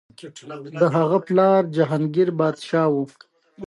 د هغه پلار جهانګیر پادشاه و.